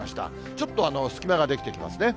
ちょっと隙間が出来てきますね。